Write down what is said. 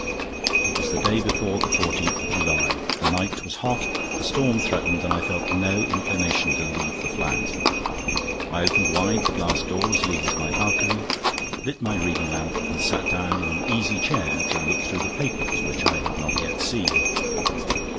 It was the day before the 14th of July. The night was hot, a storm threatened and I felt no inclination to leave the flat. I opened wide the glass doors leading to my balcony, lit my reading lamp and sat down in an easy chair to look through the papers, which I had not yet seen.